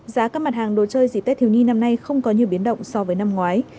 giá các mặt hàng đồ chơi dịp tết thiếu nhi năm nay không có nhiều biến động so với năm ngoái